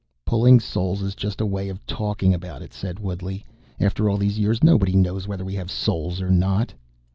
"Pulling souls is just a way of talking about it," said Woodley. "After all these years, nobody knows whether we have souls or not."